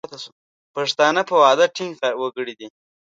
پښتانه په وعده ټینګ وګړي دي.